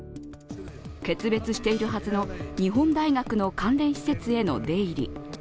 決別しているはずの日本大学の関連施設への出入り。